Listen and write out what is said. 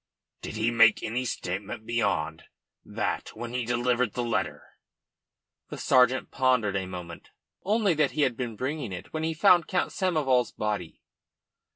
"Did he make any statement beyond that when he delivered that letter?" The sergeant pondered a moment. "Only that he had been bringing it when he found Count Samoval's body."